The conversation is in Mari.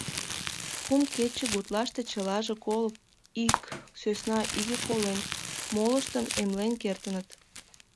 Кум кече гутлаште чылаже коло ик сӧсна иге колен, молыштым эмлен кертыныт.